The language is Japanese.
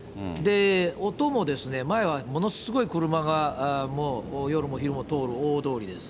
音も、前はものすごい車がもう夜も昼も通る大通りです。